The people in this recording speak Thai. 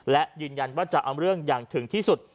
และยืนยันว่าจะเอาเรื่องอย่างถึงที่สุด